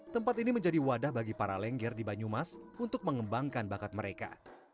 tempat ini menjadi wadah bagi para lengger di banyumas untuk mengembangkan bakat mereka